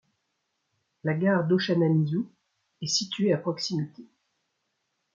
La gare d'Ochanomizu est située à proximité.